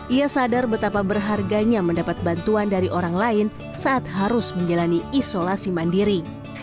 ia sadar betapa berharganya mendapat bantuan dari orang lain saat harus menjalani isolasi mandiri